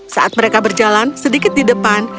saat mereka berjalan sedikit di depan